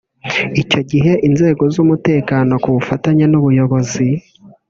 Icyo gihe inzego z’umutekano ku bufatanye n’ubuyobozi